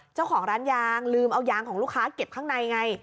เจ้าของร้านยางลืมเอายางของลูกค้าเก็บข้างในไง